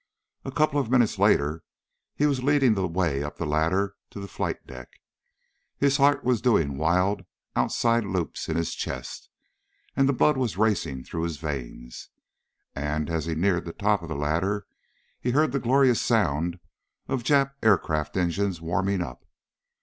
A couple of minutes later he was leading the way up the ladder to the flight deck. His heart was doing wild outside loops in his chest, and the blood was racing through his veins. And as he neared the top of the ladder he heard the glorious sound of Jap aircraft engines warming up.